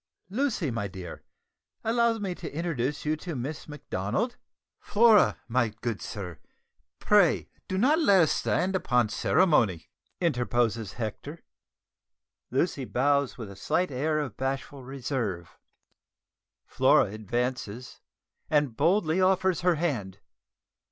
Lucy, my dear, allow me to introduce you to Miss Macdonald " "Flora, my good sir; pray do not let us stand upon ceremony," interposes Hector. Lucy bows with a slight air of bashful reserve; Flora advances and boldly offers her hand.